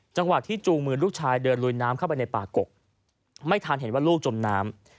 จังหวะที่จูงมือลูกชายเดินลุยน้ำเข้าไปในป่ากกไม่ทันเห็นว่าลูกจมน้ำ